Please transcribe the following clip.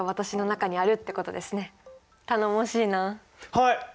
はい！